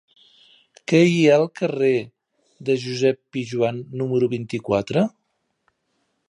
Què hi ha al carrer de Josep Pijoan número vint-i-quatre?